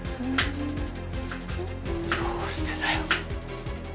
どうしてだよ。